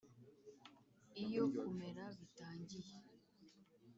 iyo kumera bitangiye?